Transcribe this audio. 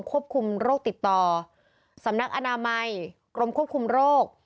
ควบคุมโรคติดต่อสำนักอนามัยกรมควบคุมโรค